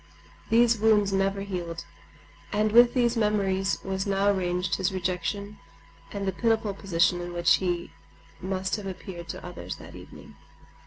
These wounds never healed. And with these memories was now ranged his rejection and the pitiful position in which he must have appeared to others that evening.